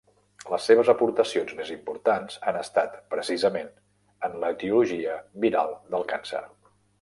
Les seves aportacions més importants han estat, precisament, en l'etiologia viral del càncer.